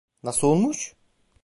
Nasıl olmuş?